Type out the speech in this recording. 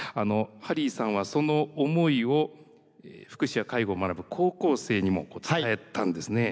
ハリーさんはその思いを福祉や介護を学ぶ高校生にも伝えたんですね。